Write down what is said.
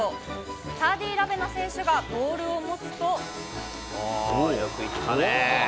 サーディ・ラベナ選手がボールを持つと。